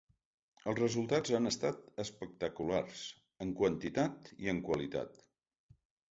Els resultats han estat espectaculars, en quantitat i en qualitat.